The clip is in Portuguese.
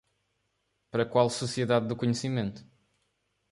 Para qual Sociedade do Conhecimento?